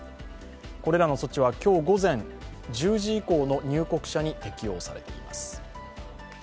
これらの措置は今日午前１０時以降の入国者に適用されています。